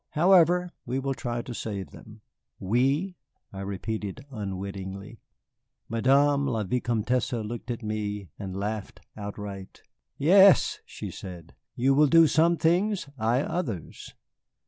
However, we will try to save them." "We!" I repeated unwittingly. Madame la Vicomtesse looked at me and laughed outright. "Yes," she said, "you will do some things, I others.